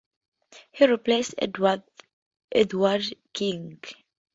He replaced Eduard Kink.